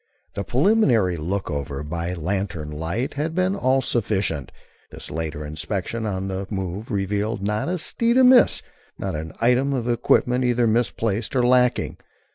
The preliminary look over by lantern light had been all sufficient. This later inspection on the move revealed not a steed amiss, not an item of equipment either misplaced or lacking.